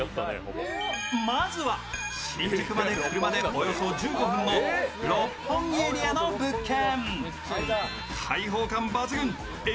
まずは新宿まで来るまでおよそ１５分の六本木エリアの物件。